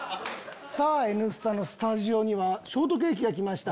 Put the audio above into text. さぁ『Ｎスタ』のスタジオにはショートケーキが来ました。